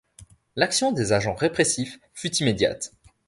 L'action des agents répressifs fut immédiate.